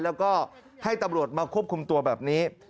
แล้วก็ให้ตำรวจมาควบคุมตัวแบบนี้